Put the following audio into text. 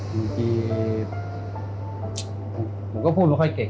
บางทีผมก็พูดไม่ค่อยเก่ง